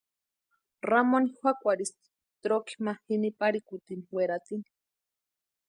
Ramoni juakwarhisti troki ma jini parhikutini weratini.